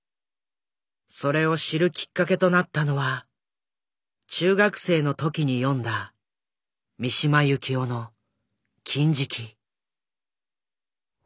それを知るきっかけとなったのは中学生の時に読んだ三島由紀夫の「禁色」。